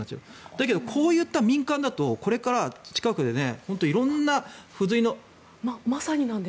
だけどこういった民間だとこれから近くでまさになんです。